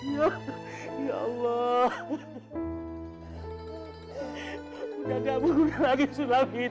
kalau mau nganggap nggap surga mak akan berangkat